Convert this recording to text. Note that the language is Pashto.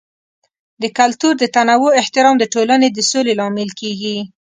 د کلتور د تنوع احترام د ټولنې د سولې لامل کیږي.